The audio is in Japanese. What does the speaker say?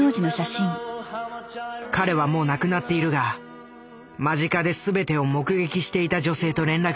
彼はもう亡くなっているが間近で全てを目撃していた女性と連絡が取れた。